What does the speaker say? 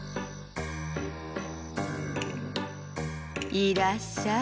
いらっしゃい。